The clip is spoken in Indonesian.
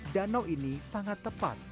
danau ini sangat tepat